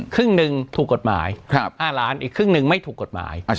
ครึ่งหนึ่งถูกกฎหมาย๕ล้านอีกครึ่งหนึ่งไม่ถูกกฎหมาย